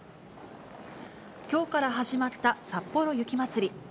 きょうから始まったさっぽろ雪まつり。